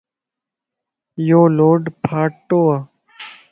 يو لوڊ ڦاتوَ